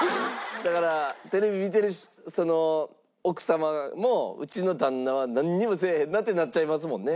だからテレビ見てる奥様もうちの旦那はなんにもせえへんなってなっちゃいますもんね。